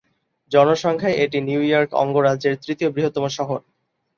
জনসংখ্যায় এটি New York অঙ্গরাজ্যের তৃতীয় বৃহত্তম শহর।